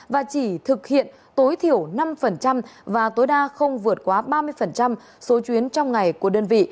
và chỉ thực hiện tối thiểu năm và tối đa không vượt quá ba mươi số chuyến trong ngày của đơn vị